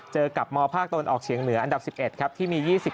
เจอกับมภาคโตนออกเฉียงเหนืออันดับสิบเอ็ดครับที่มียี่สิบ